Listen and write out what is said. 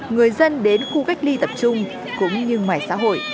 người dân đến khu cách ly tập trung cũng như ngoài xã hội